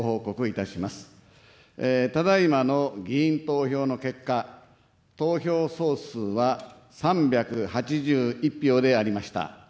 ただいまの議員投票の結果、投票総数は３８１票でありました。